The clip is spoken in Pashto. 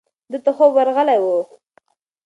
ده ته خوب ورغلی و.